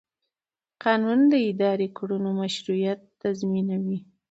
قانون د اداري کړنو مشروعیت تضمینوي.